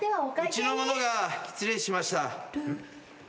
・うちの者が失礼しました。